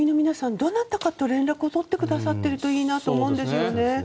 どなたかと連絡を取ってくださっているといいなと思うんですよね。